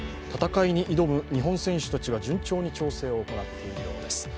戦いに挑む日本選手たちは順調に調整を行っているようです。